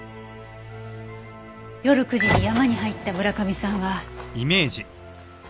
夜９時に山に入った村上さんは。